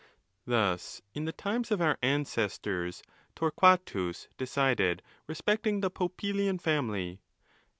Thus, in the times of our ancestors, Torquatus decided re specting the Popilian family.